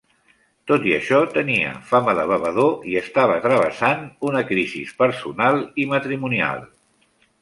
Tot i això, tenia fama de bevedor i estava travessant una crisi personal i matrimonial.